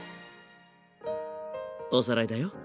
おさらいだよ。